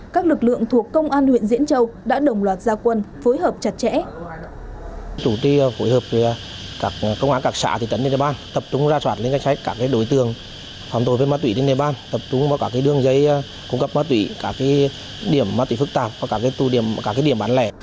các lực lượng thuộc công an huyện diễn châu đã đồng loạt gia quân phối hợp chặt chẽ